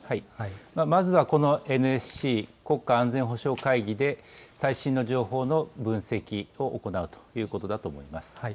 まずはこのＮＳＣ・国家安全保障会議で最新の情報の分析を行うことだと思います。